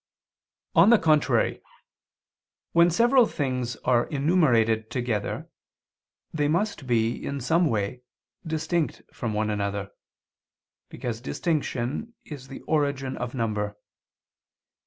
On the contrary, When several things are enumerated together they must be, in some way, distinct from one another, because distinction is the origin of number.